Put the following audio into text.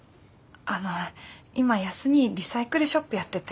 あの今康にぃリサイクルショップやってて。